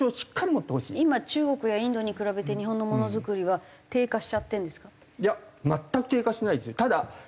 今中国やインドに比べて日本のものづくりは低下しちゃってるんですか？